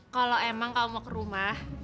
kalau emang kamu mau ke rumah